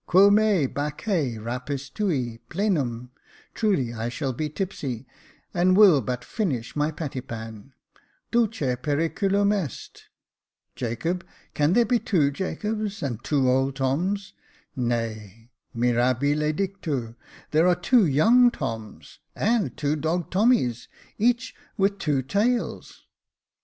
Quo me, Bacche, rap'is tui — plenum — truly I shall be tipsy — and will but finish my pattypan — dulce periculum est — Jacob — can there be two Jacobs — and two old Toms — nay — mirabile dlctu — there are two young Toms, and two dog Tommies — each with — two tails.